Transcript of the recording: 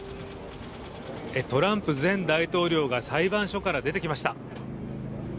トランプ前大統領が裁判所から出てきました。